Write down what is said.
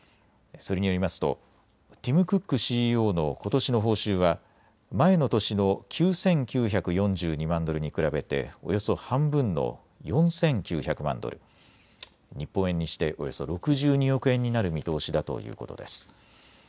それによりますとティム・クックＣＥＯのことしの報酬は前の年の９９４２万ドルに比べておよそ半分の４９００万ドル、日本円にしておよそ６２億円になる見通しだということです。